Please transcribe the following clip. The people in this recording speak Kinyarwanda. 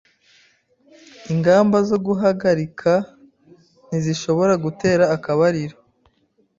Ingamba zo guhagarika ntizishobora gutera akabariro.